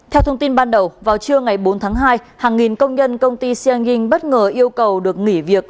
theo thông tin ban đầu vào trưa ngày bốn tháng hai hàng nghìn công nhân công ty sianging bất ngờ yêu cầu được nghỉ việc